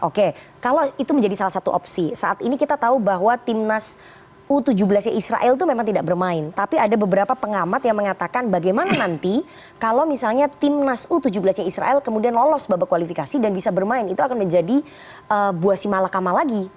oke kalau itu menjadi salah satu opsi saat ini kita tahu bahwa timnas u tujuh belas nya israel itu memang tidak bermain tapi ada beberapa pengamat yang mengatakan bagaimana nanti kalau misalnya timnas u tujuh belas nya israel kemudian lolos babak kualifikasi dan bisa bermain itu akan menjadi buah simalakama lagi